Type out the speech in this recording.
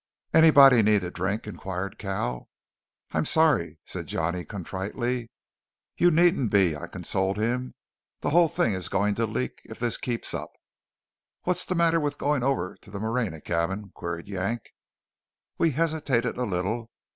"Anybody need a drink?" inquired Cal. "I'm sorry!" said Johnny contritely. "You needn't be," I consoled him. "The whole thing is going to leak, if this keeps up." "What's the matter with going over to the Moreña cabin?" queried Yank. We hesitated a little.